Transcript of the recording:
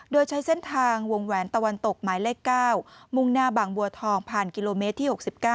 โดยใช้เส้นทางวงแหวนตะวันตกหมายเลข๙มุ่งหน้าบางบัวทองผ่านกิโลเมตรที่๖๙